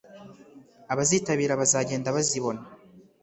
abazitabira bazagenda bazibona